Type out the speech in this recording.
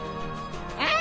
えっ？